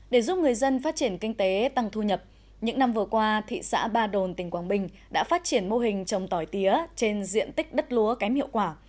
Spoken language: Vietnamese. để giúp người dân phát triển kinh tế tăng thu nhập những năm vừa qua thị xã ba đồn tỉnh quảng bình đã phát triển mô hình trồng tỏi tía trên diện tích đất lúa kém hiệu quả